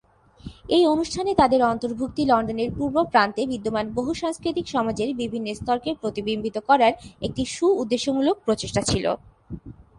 এই অনুষ্ঠানে তাদের অন্তর্ভুক্তি লন্ডনের পূর্ব প্রান্তে বিদ্যমান বহু-সাংস্কৃতিক সমাজের বিভিন্ন-স্তরকে প্রতিবিম্বিত করার একটি সু-উদ্দেশ্যমূলক প্রচেষ্টা ছিল।